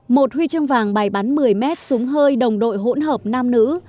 một huy chương vàng bài bắn một mươi m súng hơi đồng đội hỗn hợp nam nữ